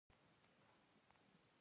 شاه عالم د ابدالي له ملاتړ څخه مطمئن شو.